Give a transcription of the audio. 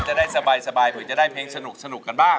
จะได้สบายเผื่อจะได้เพลงสนุกกันบ้าง